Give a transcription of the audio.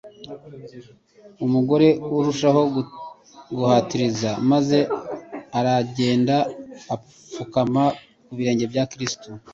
Umugore arushaho guhatiriza maze aragenda apfukama ku birenge bya Kristo,